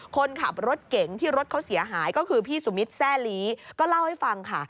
คนขับรถเก๋งที่รถเขาเสียหายก็คือพี่สุมิตรแซ่ลีก็เล่าให้ฟังค่ะ